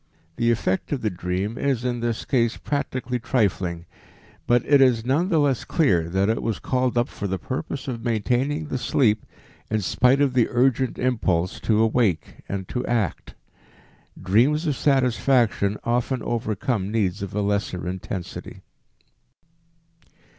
The effect of the dream is in this case practically trifling, but it is none the less clear that it was called up for the purpose of maintaining the sleep in spite of the urgent impulse to awake and to act. Dreams of satisfaction often overcome needs of a lesser intensity.